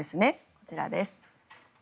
こちらです。